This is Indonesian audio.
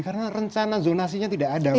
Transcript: karena rencana zonasinya tidak ada